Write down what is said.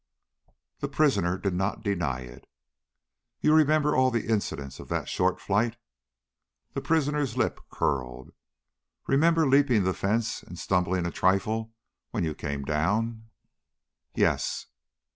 The prisoner did not deny it. "You remember all the incidents of that short flight?" The prisoner's lip curled. "Remember leaping the fence and stumbling a trifle when you came down?" "Yes."